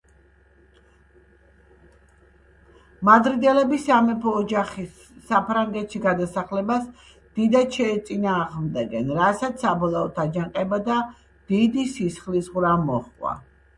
მადრიდელები სამეფო ოჯახის საფრანგეთში გადასახლებას დიდად შეეწინააღმდეგნენ, რასაც საბოლოოდ აჯანყება და დიდი სისხლისღვრა მოჰყვა.